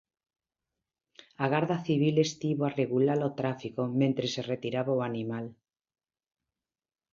A Garda Civil estivo a regular o tráfico mentres se retiraba o animal.